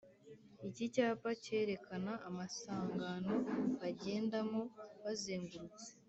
Iki cyapa Cyerekana amasangano bangendamo bazengurutse